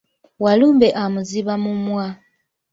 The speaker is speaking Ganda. Walumbe amuziba mumwa.